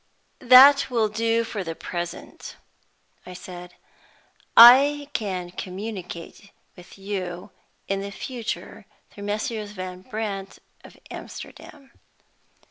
"That will do for the present," I said. "I can communicate with you in the future through Messrs. Van Brandt, of Amsterdam."